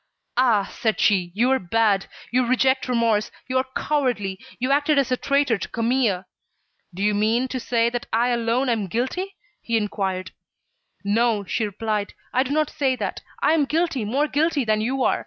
"Ah!" said she, "you are bad. You reject remorse. You are cowardly. You acted as a traitor to Camille." "Do you mean to say that I alone am guilty?" he inquired. "No," she replied, "I do not say that. I am guilty, more guilty than you are.